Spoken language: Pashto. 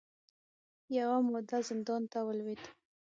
یوه موده زندان ته ولوېد